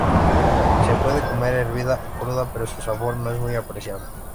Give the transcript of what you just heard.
Se puede comer hervida o cruda, pero su sabor no es muy apreciable.